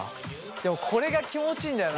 でもこれが気持ちいいんだよな。